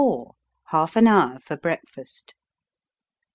HALF AN HOUR FOR BREAKFAST.